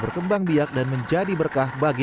berkembang biak dan menjadi berkah bagi